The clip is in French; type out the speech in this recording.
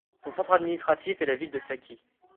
Son centre administratif est la ville de Saky.